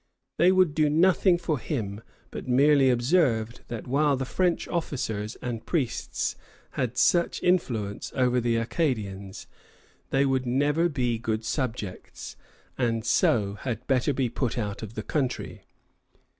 They would do nothing for him, but merely observed that while the French officers and priests had such influence over the Acadians, they would never be good subjects, and so had better be put out of the country.